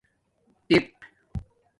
تیپ